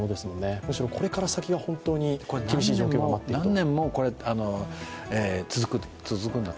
むしろこれから先が、厳しい状況が待っていると。